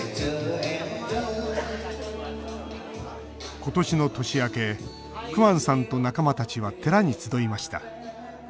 今年の年明けクアンさんと仲間たちは寺に集いました。